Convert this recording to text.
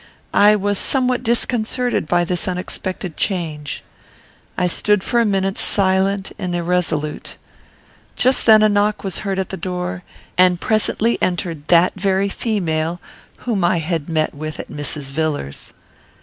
I was somewhat disconcerted by this unexpected change. I stood for a minute silent and irresolute. Just then a knock was heard at the door, and presently entered that very female whom I had met with at Villars's.